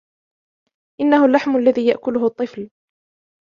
إنهُ اللَحم الذي يأكُلهُ الطفل.